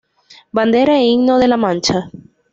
Bandera e Himno de La Mancha